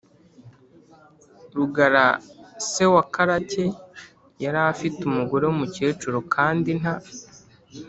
Rugara se wa Karake yari afite umugore w’umukecuru, kandi nta